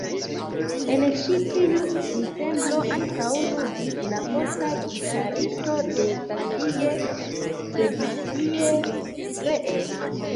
En ĉi tiu ensemblo ankaŭ ludis la posta gitaristo de Basie, Freddie Green.